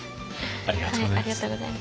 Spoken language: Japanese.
ありがとうございます。